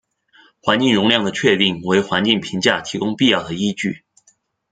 环境容量的确定为环境评价提供必要的依据。